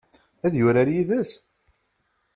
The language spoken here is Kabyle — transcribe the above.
Ad yurar yid-s?